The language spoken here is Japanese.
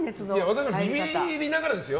私もビビりながらですよ。